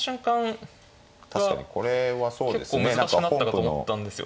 確かにこれはそうですね。結構難しくなったかと思ったんですね。